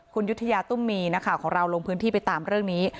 คุณยุธยาตุ้มมีนักข่าวของเราลงพื้นที่ไปตามเรื่องนี้